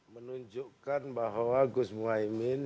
menunjukkan bahwa gus muhaimin